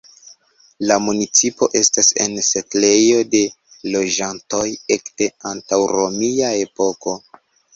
La municipo estas en setlejo de loĝantoj ekde antaŭromia epoko.